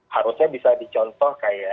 harusnya bisa dicontoh kayak